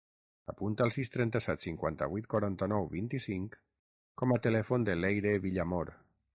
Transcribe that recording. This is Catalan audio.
Apunta el sis, trenta-set, cinquanta-vuit, quaranta-nou, vint-i-cinc com a telèfon de l'Eire Villamor.